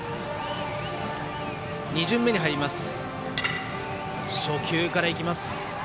２巡目に入りました。